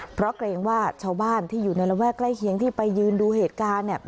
เพราะเกรงว่าชาวบ้านที่อยู่ในระแวกใกล้เคียงที่ไปยืนดูเหตุการณ์